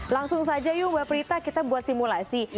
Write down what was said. langsung saja yuk mbak prita kita buat simulasi